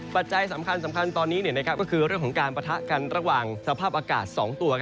ปัจจัยสำคัญตอนนี้ก็คือเรื่องของการปะทะกันระหว่างสภาพอากาศ๒ตัว